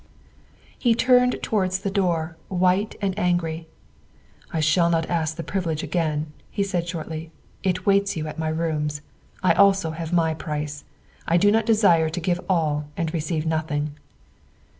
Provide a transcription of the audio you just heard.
He turned towards the door, white and angry. ' I shall not ask the privilege again," he said shortly, " it waits you at my rooms. I also have my price. I do not desire to give all and receive nothing."